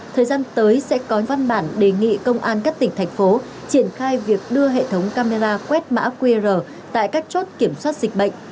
thời gian tới sẽ có văn bản đề nghị công an các tỉnh thành phố triển khai việc đưa hệ thống camera quét mã qr tại các chốt kiểm soát dịch bệnh